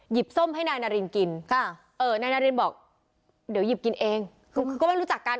ส้มให้นายนารินกินนายนารินบอกเดี๋ยวหยิบกินเองคือก็ไม่รู้จักกัน